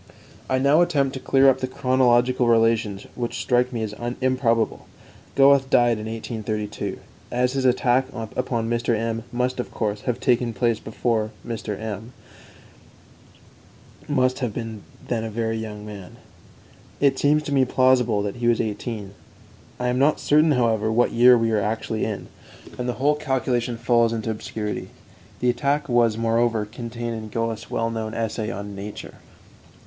I now attempt to clear up the chronological relations which strike me as improbable. Goethe died in 1832. As his attack upon Mr. M must, of course, have taken place before, Mr. M must have been then a very young man. It seems to me plausible that he was eighteen. I am not certain, however, what year we are actually in, and the whole calculation falls into obscurity. The attack was, moreover, contained in Goethe's well known essay on 'Nature.'"